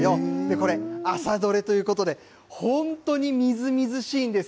これ、朝どれということで本当にみずみずしいんです。